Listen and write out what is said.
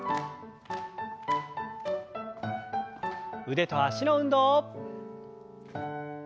腕と脚の運動。